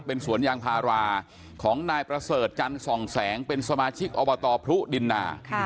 เป็นสวนยางพาราของนายประเสริฐจันทร์ส่องแสงเป็นสมาชิกอบตพรุดินนา